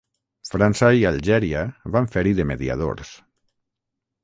França i Algèria van fer-hi de mediadors.